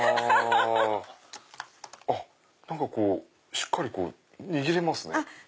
しっかり握れますね。